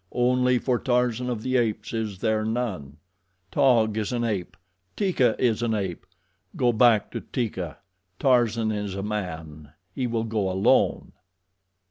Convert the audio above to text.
Only for Tarzan of the Apes is there none. Taug is an ape. Teeka is an ape. Go back to Teeka. Tarzan is a man. He will go alone."